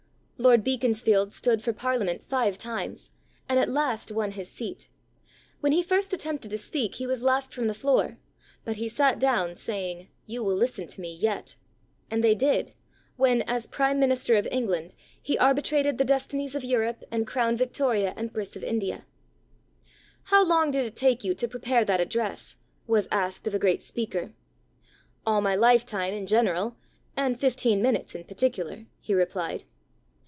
Lord Beaconsfield stood for parliament five times, and at last won his seat. When he first attempted to speak he was laughed from the floor, but he sat down saying, "You will listen to me yet;" and they did, v/hen, as prime minister of England, he arbitrated the destinies of Europe and crowned Victoria Empress of India. "How long did it take you to prepare that address?" was asked of a great speaker. "All my lifetime in general, and fifteen min utes in particular," he replied.